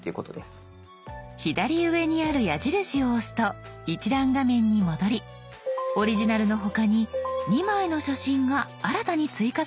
左上にある矢印を押すと一覧画面に戻りオリジナルの他に２枚の写真が新たに追加されました。